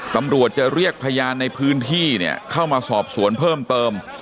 ตำรวจจะเรียกพยานในพื้นที่เนี่ยเข้ามาสอบสวนเพิ่มเติม